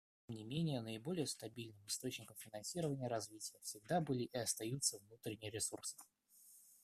Тем не менее наиболее стабильным источником финансирования развития всегда были и остаются внутренние ресурсы.